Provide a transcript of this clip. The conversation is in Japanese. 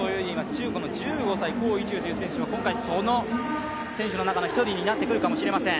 中国の１５歳、高唯中という選手は今回その選手の中の１人になってくるかもしれません。